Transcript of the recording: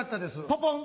ポポン！